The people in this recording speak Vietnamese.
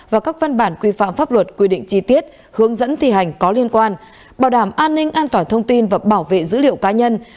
và các văn bản quy phạm pháp luật quy định chi tiết hướng dẫn thi hành có liên quan bảo đảm an ninh an toàn thông tin và bảo vệ dữ liệu cá nhân